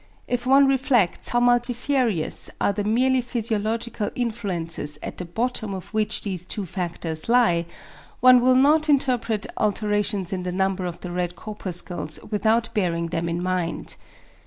If one reflects how multifarious are the merely physiological influences at the bottom of which these two factors lie, one will not interpret alterations in the number of the red corpuscles without bearing them in mind.